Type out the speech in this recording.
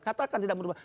katakan tidak merubah